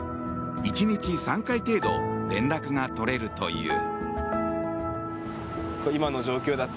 １日３回程度連絡が取れるという。